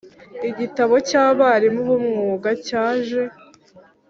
igitabo cy abarimu b umwuga cyaje